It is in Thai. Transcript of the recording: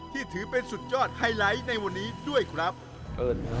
ที่ถือเป็นสุดยอดไฮไลท์ในวันนี้ด้วยครับ